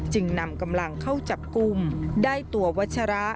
จึงนำกำลังเข้าจับกลุ่มได้ตัววัชระ